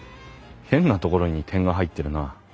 変なところに点が入ってるな。